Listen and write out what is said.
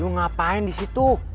lu ngapain disitu